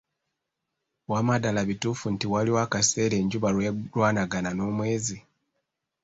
Wamma ddala bituufu nti waliwo akaseera enjuba lwelwanagana n'omwezi?